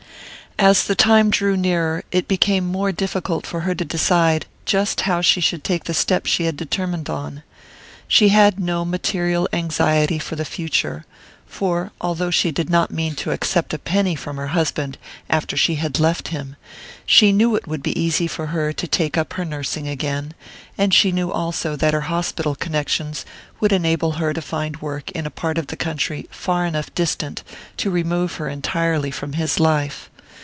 As the time drew nearer it became more difficult for her to decide just how she should take the step she had determined on. She had no material anxiety for the future, for although she did not mean to accept a penny from her husband after she had left him, she knew it would be easy for her to take up her nursing again; and she knew also that her hospital connections would enable her to find work in a part of the country far enough distant to remove her entirely from his life.